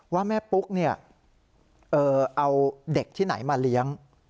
ว่าแม่ปุ๊กเอาเด็กที่ไหนมาเลี้ยง